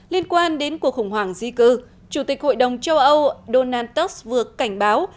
liên quan đến cuộc khủng hoảng di cư chủ tịch hội đồng châu âu donald trump vừa cảnh báo